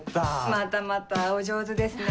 またまたお上手ですね。